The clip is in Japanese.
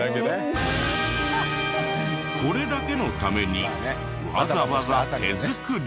これだけのためにわざわざ手作り。